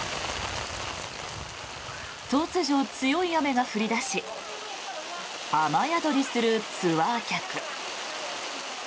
突如、強い雨が降り出し雨宿りするツアー客。